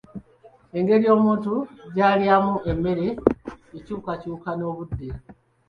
Engeri omuntu gy'alyamu emmere ekyukakyuka n'obudde.